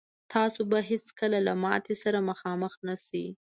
تاسو به هېڅکله له ماتې سره مخ نه شئ.